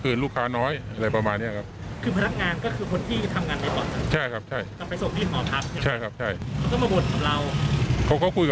ตอนนี้ตำรวจต้องชี้แจงนะคะ